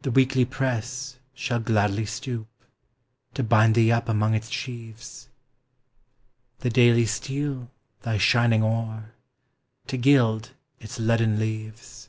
The Weekly press shall gladly stoop To bind thee up among its sheaves; The Daily steal thy shining ore, To gild its leaden leaves.